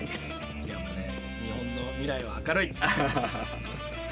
いやもうね日本の未来は明るい。